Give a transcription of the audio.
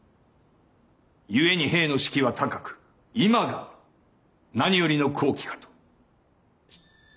故に兵の士気は高く今が何よりの好機かと。